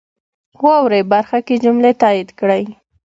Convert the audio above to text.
واورئ برخه کې جملې تایید کړئ.